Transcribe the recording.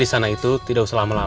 sakti gak apa